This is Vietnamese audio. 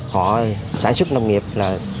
họ sản xuất nông nghiệp là